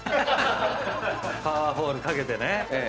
『パワー・ホール』かけてね。